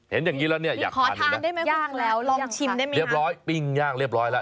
เห็นอย่างนี้แล้วเนี่ยอยากทานอีกแล้วนะครับเรียบร้อยปิ้งย่างเรียบร้อยแล้ว